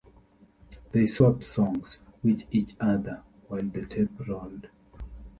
They swapped songs with each other, while the tape rolled.